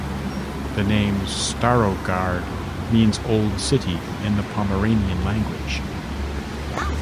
The name "Starogard" means "old city" in the Pomeranian language.